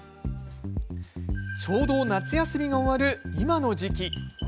ちょうど夏休みが終わる今の時期。